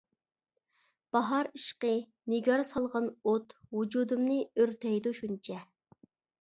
باھار ئىشقى، نىگار سالغان ئوت، ۋۇجۇدۇمنى ئۆرتەيدۇ شۇنچە.